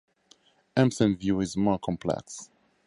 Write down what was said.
Empson's view is more complex.